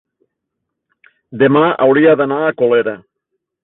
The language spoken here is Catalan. demà hauria d'anar a Colera.